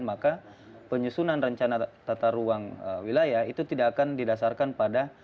maka penyusunan rencana tata ruang wilayah itu tidak akan didasarkan pada